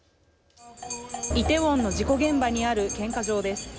イテウォンの事故現場にある献花場です。